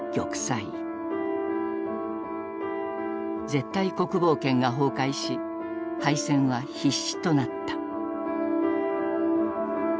絶対国防圏が崩壊し敗戦は必至となった。